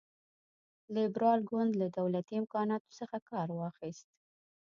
لېبرال ګوند له دولتي امکاناتو څخه کار واخیست.